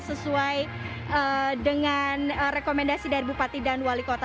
sesuai dengan rekomendasi dari bupati dan wali kota